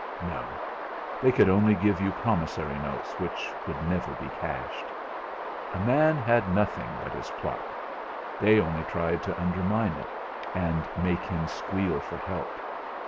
No, they could only give you promissory notes which never would be cashed. A man had nothing but his pluck they only tried to undermine it, and make him squeal for help.